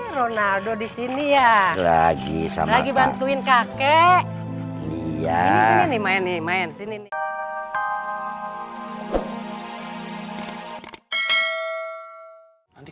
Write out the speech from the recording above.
ronaldo di sini ya lagi sama lagi bantuin kakek iya ini main main sini